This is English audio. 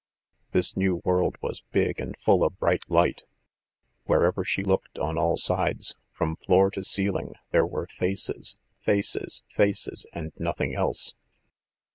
This new world was big and full of bright light; wherever she looked, on all sides, from floor to ceiling there were faces, faces, faces, and nothing else.